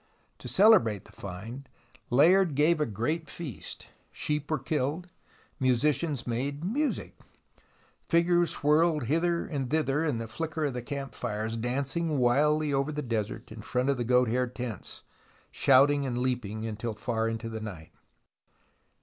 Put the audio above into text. To celebrate the find, Layard gave a great feast. Sheep were killed, musicians made music. Figures whirled hither and thither in the flicker of the camp fires, dancing wildly over the desert in front of the goat hair tents, shouting and leaping until far into the night.